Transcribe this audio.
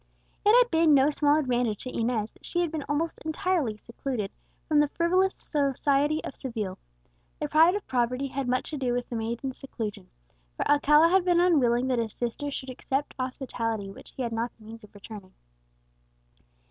It had been no small advantage to Inez that she had been almost entirely secluded from the frivolous society of Seville. The pride of poverty had had much to do with the maiden's seclusion; for Alcala had been unwilling that his sister should accept hospitality which he had not the means of returning.